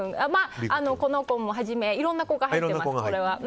この子をはじめいろんな子が入っています。